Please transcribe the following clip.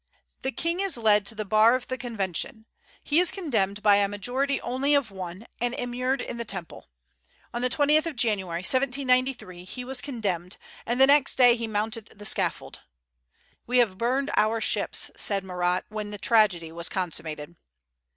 The King is led to the bar of the Convention. He is condemned by a majority only of one, and immured in the Temple. On the 20th of January, 1793, he was condemned, and the next day he mounted the scaffold. "We have burned our ships," said Marat when the tragedy was consummated.